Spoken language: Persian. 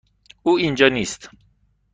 او اینجا نیست.